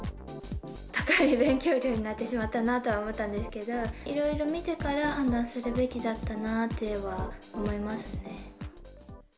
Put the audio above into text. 高い勉強料になってしまったなとは思ったんですけど、いろいろ見てから判断するべきだったなっては思いますね。